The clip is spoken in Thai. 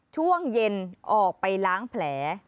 ช่วงเย็นออกไปล้างแผล